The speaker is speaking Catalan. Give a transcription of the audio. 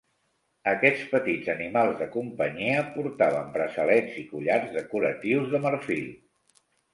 Aquests petits animals de companyia portaven braçalets i collars decoratius de marfil.